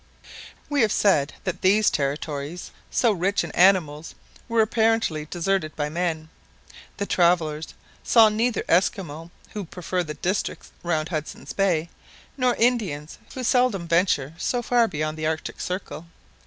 We have said that these territories, so rich in animals, were apparently deserted by men. The travellers saw neither Esquimaux, who prefer the districts round Hudson's Bay, nor Indians, who seldom venture so far beyond the Arctic Circle.